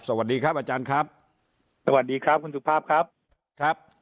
สวัสดีครับอาจารย์ครับสวัสดีครับคุณสุภาพครับครับ